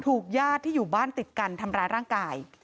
ญาติที่อยู่บ้านติดกันทำร้ายร่างกาย